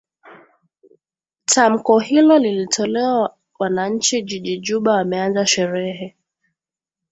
tamko hilo lilitolewa wananchi jiji juba wameanza sherehe